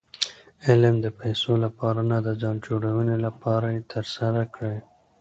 علم د پېسو له پاره نه، د ځان جوړوني له پاره ئې ترسره کړئ.